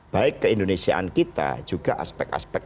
baik keindonesiaan kita juga aspek aspek